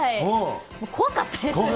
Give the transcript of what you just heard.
怖かったですね。